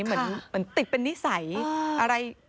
เหมือนติดเป็นนิสัยอะไร